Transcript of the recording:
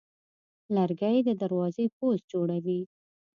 لرګی د دروازې پوست جوړوي.